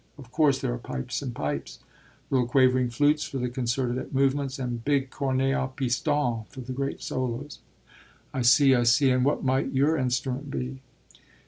Of course there are pipes and pipes little quavering flutes for the concerted movements and big cornets à piston for the great solos." "I see, I see. And what might your instrument be?"